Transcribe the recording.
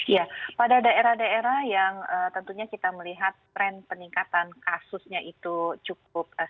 ya pada daerah daerah yang tentunya kita melihat tren peningkatan kasusnya itu cukup signifikan